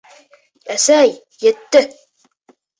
Әсәй, етте!